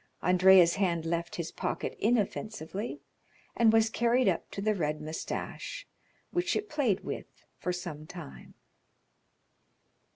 Andrea's hand left his pocket inoffensively, and was carried up to the red moustache, which it played with for some time.